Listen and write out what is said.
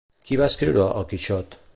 Qui va escriure "El Quixot"?